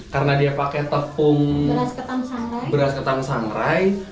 karena dia pakai tepung beras ketang sangrai